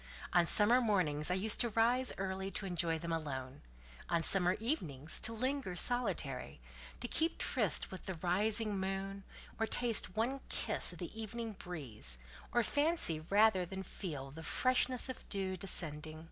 On summer mornings I used to rise early, to enjoy them alone; on summer evenings, to linger solitary, to keep tryste with the rising moon, or taste one kiss of the evening breeze, or fancy rather than feel the freshness of dew descending.